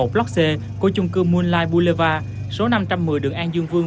block c của trung cư moonlight boulevard số năm trăm một mươi đường an dương vương